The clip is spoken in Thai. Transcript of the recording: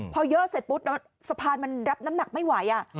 พอเยอะเสร็จปุ๊บสะพานมันรับน้ำหนักไม่ไหว